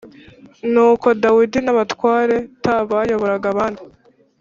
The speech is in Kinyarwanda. Nuko Dawidi n abatware t bayoboraga abandi